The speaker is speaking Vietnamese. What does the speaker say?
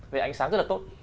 về ánh sáng rất là tốt